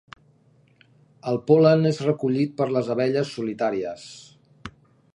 El pol·len és recollit per les abelles solitàries.